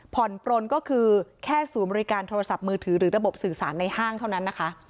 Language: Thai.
ผ่อนปลนก็คือแค่ศูนย์บริการโทรศัพท์มือถือหรือระบบสื่อสารในห้างเท่านั้นนะคะ